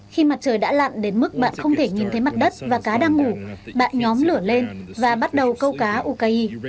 khi mặt trời đã lặn đến mức bạn không thể nhìn thấy mặt đất và cá đang ngủ bạn nhóm lửa lên và bắt đầu câu cá uki